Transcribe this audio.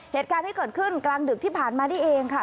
เหตุการณ์ที่เกิดขึ้นกลางดึกที่ผ่านมานี่เองค่ะ